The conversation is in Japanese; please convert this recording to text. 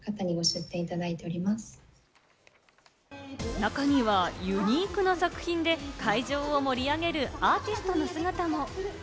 中にはユニークな作品で会場を盛り上げるアーティストの姿も。